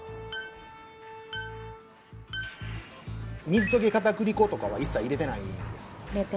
水溶き片栗粉とかは一切入れてないんですか？